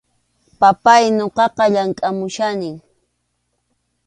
Papáy, ñuqaqa llamkʼamuchkanim.